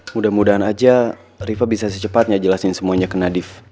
mudah mudahan aja rifa bisa secepatnya jelasin semuanya ke nadif